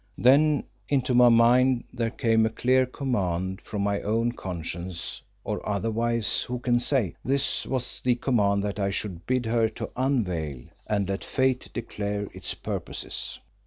Then into my mind there came a clear command, from my own conscience or otherwhere, who can say? This was the command, that I should bid her to unveil, and let fate declare its purposes.